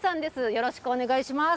よろしくお願いします。